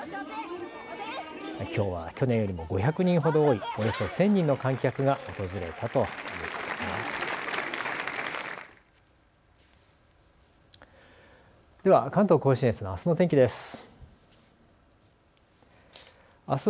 きょうは去年よりも５００人ほど多いおよそ１０００人の観客が訪れたということです。